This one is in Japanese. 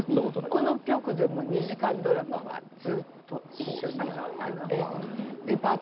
この局でも２時間ドラマはずっと一緒にやって。